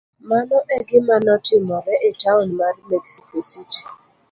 Mano e gima notimore e taon mar Mexico City.